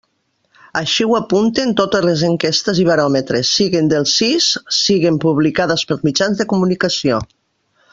Així ho apunten totes les enquestes i baròmetres, siguen del CIS siguen publicades pels mitjans de comunicació.